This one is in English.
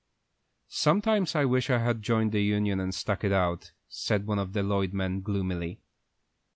"Sometimes I wish I had joined the union and stuck it out," said one of the Lloyd men, gloomily.